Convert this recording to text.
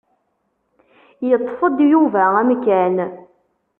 Iṭṭef-d Yuba amkan.